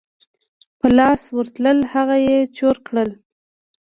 په لاس ورتلل هغه یې چور کړل.